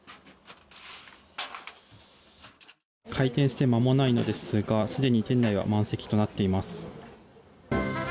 開店して間もないんですがすでに店内は満席となっています。